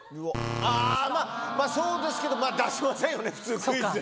まぁそうですけど出しませんよね普通クイズで。